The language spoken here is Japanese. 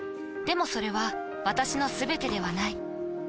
でもそれは私のすべてではない。